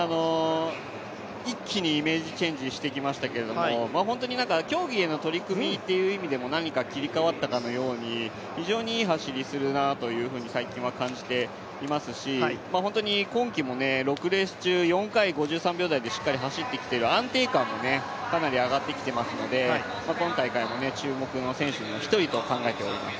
一気にイメージチェンジしてきましたけど競技への取り組みっていう意味でも何か切り替わったかのように非常にいい走りするなと最近は感じていますし本当に今季も６レース中４回、５３秒台でしっかり走ってきている、安定感もかなり上がってきていますので今大会も注目の選手の１人と考えています。